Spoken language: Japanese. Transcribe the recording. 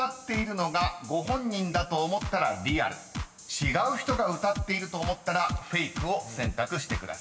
［違う人が歌っていると思ったらフェイクを選択してください］